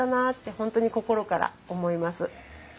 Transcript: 本当に心から思います。